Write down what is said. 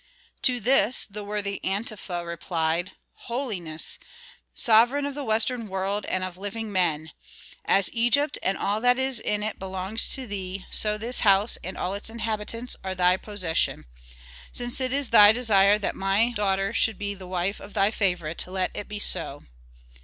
To this the worthy Antefa replied, "Holiness, sovereign of the western world, and of living men! As Egypt, and all that is in it belongs to thee, so this house and all its inhabitants are thy possession. Since it is thy desire that my daughter should be the wife of thy favorite, let it be so."